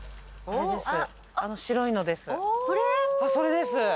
あれです。